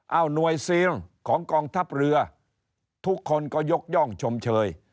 เอาหน่วยซีนของกองทัพเรือทุกคนก็ยกย่องชมเชย